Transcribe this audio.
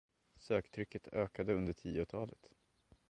Söktrycket ökade under tiotalet.